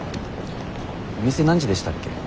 お店何時でしたっけ？